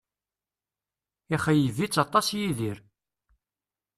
Ixeyyeb-itt aṭas Yidir